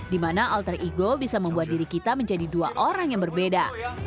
di mana alter ego bisa membuat diri kita menjadi dua orang yang berbeda